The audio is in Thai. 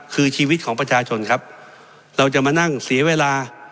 คือชีวิตของประชาชนครับเราจะมานั่งเสียเวลา